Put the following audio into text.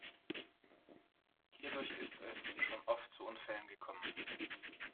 Hierdurch ist es schon oft zu Unfällen gekommen.